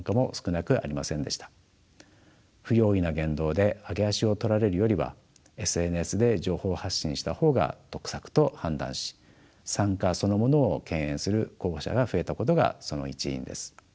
不用意な言動で揚げ足を取られるよりはＳＮＳで情報発信した方が得策と判断し参加そのものを敬遠する候補者が増えたことがその一因です。